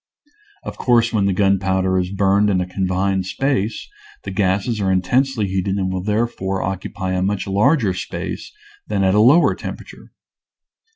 Of course when the gunpowder is burned in a confined space the gases are intensely heated and will therefore occupy a much larger space than at a lower temperature.